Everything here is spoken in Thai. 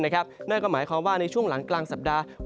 นั่นก็หมายความว่าในช่วงหลังกลางสัปดาห์